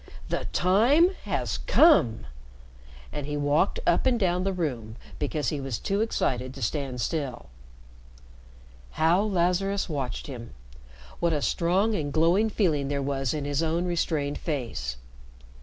The time has come." And he walked up and down the room because he was too excited to stand still. How Lazarus watched him! What a strong and glowing feeling there was in his own restrained face!